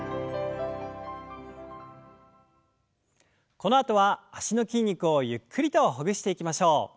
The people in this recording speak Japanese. このあとは脚の筋肉をゆっくりとほぐしていきましょう。